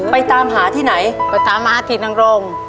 ตามหาที่ไหนไปตามหากินนังโรง